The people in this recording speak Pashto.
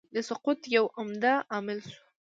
د سقوط یو عمده عامل شو.